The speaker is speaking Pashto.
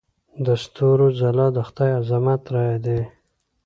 د ستورو ځلا د خدای عظمت رايادوي.